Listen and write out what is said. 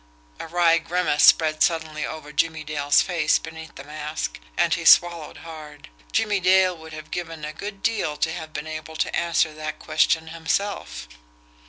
A wry grimace spread suddenly over Jimmie Dale's face beneath the mask, and he swallowed hard. Jimmie Dale would have given a good deal to have been able to answer that question himself.